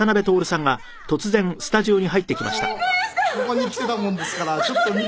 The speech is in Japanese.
「ここに来てたもんですからちょっと見ていたら」